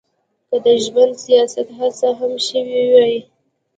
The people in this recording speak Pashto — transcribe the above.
که د ژمن سیاست هڅه هم شوې وي.